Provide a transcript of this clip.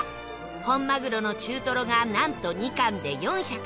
本まぐろの中トロがなんと２貫で４８４円